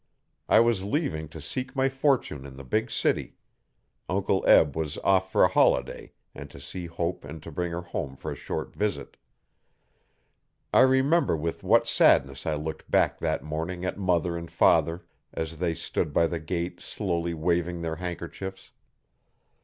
I was leaving to seek my fortune in the big city; Uncle Eb was off for a holiday and to see Hope and bring her home for a short visit. I remember with what sadness I looked back that morning at mother and father as they stood by the gate slowly waving their handkerchiefs.